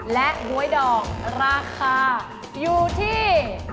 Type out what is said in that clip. และบ๊วยดองราคาอยู่ที่